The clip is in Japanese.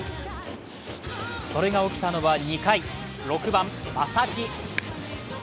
それが起きたのは２回、６番・正木。